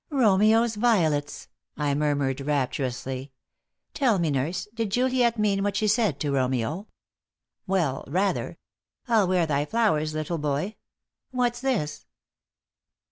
"Romeo's violets," I murmured, rapturously. "Tell me, nurse, did Juliet mean what she said to Romeo? Well, rather! I'll wear thy flowers, little boy! What's this?